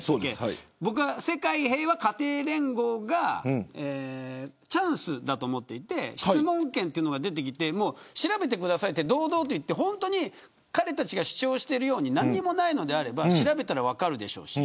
僕は世界平和家庭連合がチャンスだと思っていて質問権というのが出てきて調べてくださいと堂々と言って本当に彼たちが主張しているように何もないのであれば調べたら分かるでしょうし。